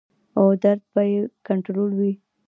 او درد به ئې کنټرول وي -